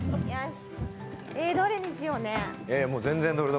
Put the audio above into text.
どれにしようね。